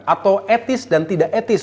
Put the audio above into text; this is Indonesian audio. atau etis dan tidak etis